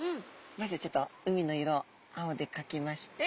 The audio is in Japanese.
まずはちょっと海の色を青で描きまして。